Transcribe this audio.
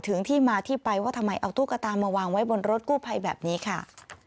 ที่มาที่ไปว่าทำไมเอาตุ๊กตามาวางไว้บนรถกู้ภัยแบบนี้ค่ะ